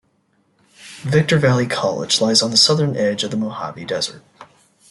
Victor Valley College lies on the southern edge of the Mojave Desert.